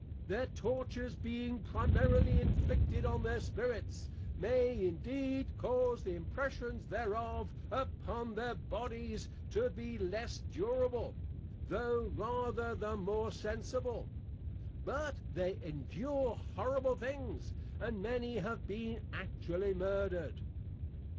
_ Their Tortures being primarily Inflicted on their Spirits, may indeed cause the Impressions thereof upon their Bodies to be the less Durable, tho' rather the more Sensible: but they Endure Horrible Things, and many have been actually Murdered.